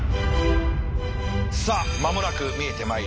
さあ間もなく見えてまいります。